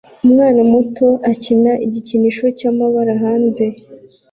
Umwana muto akina igikinisho cyamabara hanze